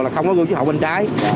là không có gương chữ hộ bên trái